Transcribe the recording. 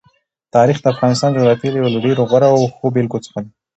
تاریخ د افغانستان د جغرافیې یو له ډېرو غوره او ښو بېلګو څخه دی.